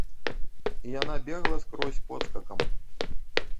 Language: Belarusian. І яна бегла скрозь подскакам.